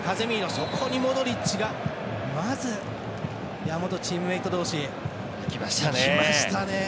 そこにモドリッチが元チームメート同士いきましたね。